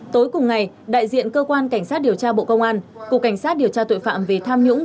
tối cùng ngày đại diện cơ quan cảnh sát điều tra bộ công an cục cảnh sát điều tra tội phạm về tham nhũng